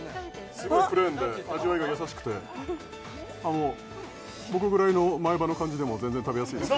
すごいプレーンで味わいが優しくてあの僕ぐらいの前歯の感じでも全然食べやすいです